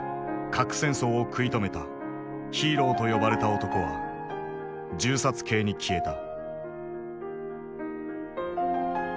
核戦争を食い止めた「ヒーロー」と呼ばれた男は銃殺刑に消えた。